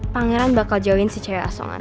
pangeran bakal join si cewek asongan